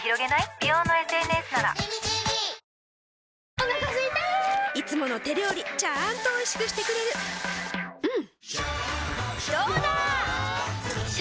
お腹すいたいつもの手料理ちゃんとおいしくしてくれるジューうんどうだわ！